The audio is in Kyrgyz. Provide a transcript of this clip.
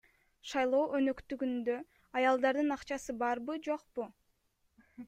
Шайлоо өнөктүгүндө аялдардын акчасы барбы, жокпу?